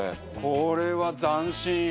これは斬新。